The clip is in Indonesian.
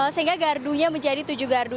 sehingga gardunya menjadi tujuh gardu